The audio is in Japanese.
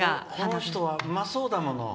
この人は、うまそうだもの。